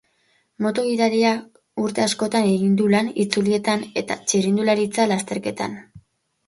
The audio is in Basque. Moto gidariak urte askotan egin du lan itzulietan eta txirrindularitza lasterketetan.